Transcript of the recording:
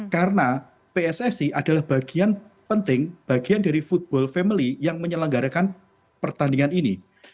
karena pssi adalah bagian penting bagian dari football family yang menyelenggarakan pertandingan ini